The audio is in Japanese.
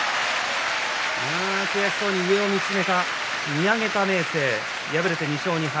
悔しそうに上を見上げた明生敗れて２勝２敗。